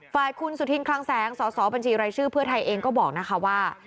ฝ่ายคุณสุธินคลังแสงสสบัญชีรายชื่อเพื่อไทยเองก็บอกนะคะว่า